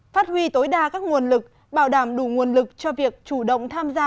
phát huy tối đa các nguồn lực bảo đảm đủ nguồn lực cho việc chủ động tham gia